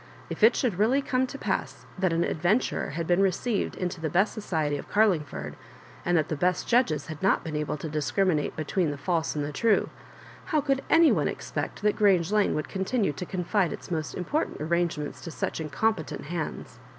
If it should really come to pass that an adventurer had been receiv ed into the best sodely of Cariiogford, and that the best judges had not been able to discriminate between the false and true, how could any one expect that Grange Lane would continue to con fide its most important arrangements to such in competent hands?